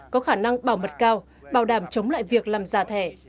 có khả năng bảo mật cao bảo đảm chống lại việc làm giả thẻ